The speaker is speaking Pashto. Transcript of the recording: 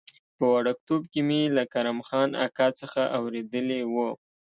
په وړکتوب کې مې له کرم خان اکا څخه اورېدلي و.